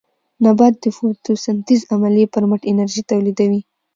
نباتات د فوټوسنټیز عملیې پر مټ انرژي تولیدوي